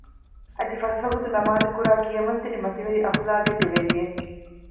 އަދި ފަސްވަގުތު ނަމާދުކުރާ ކިޔަމަންތެރި މަތިވެރި އަޚްލާގެއްގެ ވެރިއެއް